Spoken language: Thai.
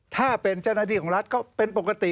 ถ้าเป็นเจ้าหน้าที่ของรัฐก็เป็นปกติ